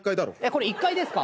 これ１階ですか？